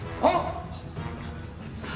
あっ！